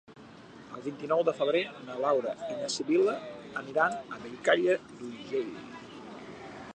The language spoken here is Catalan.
El vint-i-nou de febrer na Laura i na Sibil·la aniran a Bellcaire d'Urgell.